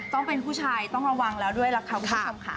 ต้องเป็นผู้ชายต้องระวังแล้วด้วยล่ะค่ะคุณผู้ชมค่ะ